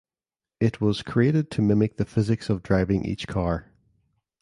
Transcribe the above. It was created to mimic the physics of driving each car.